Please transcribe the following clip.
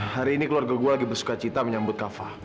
hari ini keluarga gue lagi bersuka cita menyambut kafah